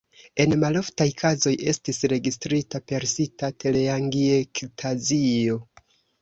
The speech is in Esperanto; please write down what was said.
En maloftaj kazoj estis registrita persista teleangiektazio.